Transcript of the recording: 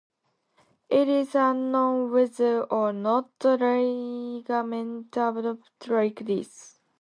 It is unknown whether or not the ligaments adapt like this.